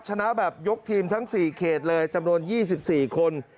ชนะแบบยกทีมทั้ง๔เขตเลยจำนวน๒๔คน